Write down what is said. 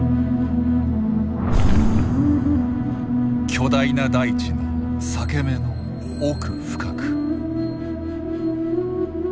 巨大な大地の裂け目の奥深く。